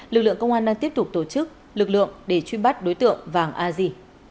lực lượng công an đang tiếp tục tổ chức lực lượng để truy bắt đối tượng vàng a di